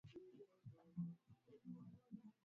Kenya ilipata asilimia ya chini zaidi ya sabini na saba